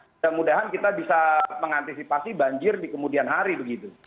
dan mudah mudahan kita bisa mengantisipasi banjir di kemudian hari begitu